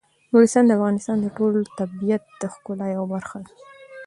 نورستان د افغانستان د ټول طبیعت د ښکلا یوه برخه ده.